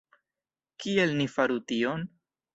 Kiel ni faru tion?